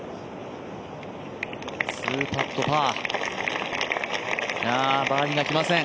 ２パットパー、バーディーがきません。